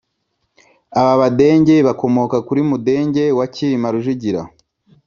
a b’Abadenge bakomoka kuri Mudenge wa Cyilima Rujugira